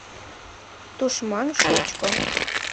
Тушман шучко